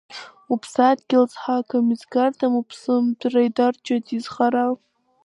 Уԥсадгьыл зҳақым, изгарҭам, уԥсымҭәра дарчоит изхара.